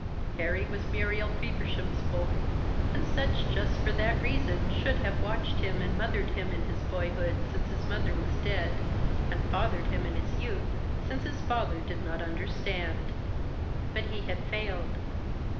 Harry was Muriel Feversham's boy, and Sutch just for that reason should have watched him and mothered him in his boyhood since his mother was dead, and fathered him in his youth since his father did not understand. But he had failed.